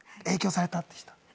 影響されたって人。